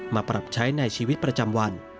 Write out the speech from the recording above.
มาปรับใช้ในชีวิตประจำวัน